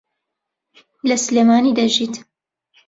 لە سلێمانی دەژیت.